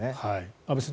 安部さん